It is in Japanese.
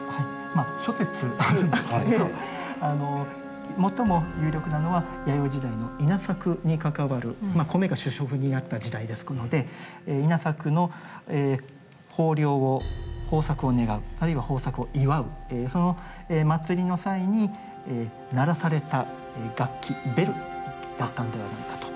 諸説あるんですけれど最も有力なのは弥生時代の稲作に関わる米が主食になった時代ですので稲作の豊作を願うあるいは豊作を祝うその祭りの際に鳴らされた楽器ベルだったんではないかと。